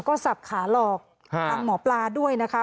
ก็สับขาหลอกทางหมอปลาด้วยนะคะ